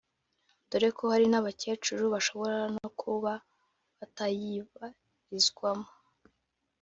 dore ko hari n’abakecuru bashobora no kuba batayibarizwamo